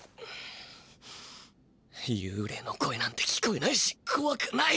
ゆうれいの声なんて聞こえないしこわくない。